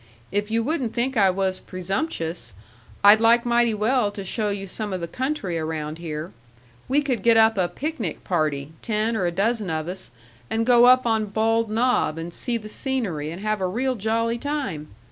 If you wouldn't think I was presumptuous, I'd like mighty well to show you some of the country around here. We could get up a picnic party, ten or a dozen of us, and go up on Bald Knob and see the scenery and have a real jolly time.